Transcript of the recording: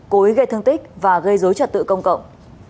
cố ý gây thương tích và gây dối trật tự công cộng